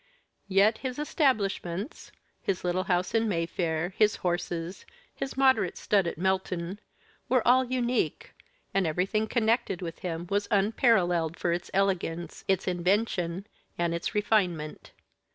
Yet his establishments his little house in Mayfair his horses his moderate stud at Melton were all unique, and everything connected with him was unparalleled for its elegance, its invention, and its refinement.